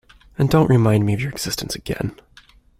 And don’t remind me of your existence again.